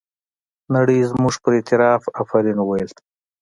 نړۍ زموږ پر اعتراف افرین وویل.